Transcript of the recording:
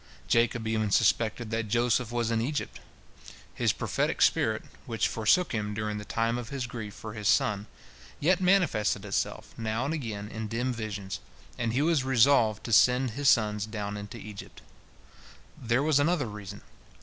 Jacob even suspected that Joseph was in Egypt. His prophetic spirit, which forsook him during the time of his grief for his son, yet manifested itself now and again in dim visions, and he was resolved to send his sons down into Egypt. There was another reason.